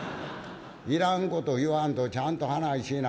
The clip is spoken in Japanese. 「いらんこと言わんとちゃんと話しいな。